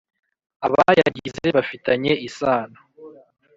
abayagize bafitanye isano